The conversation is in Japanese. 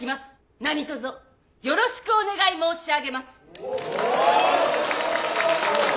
何とぞよろしくお願い申し上げます。